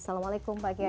assalamualaikum pak kiai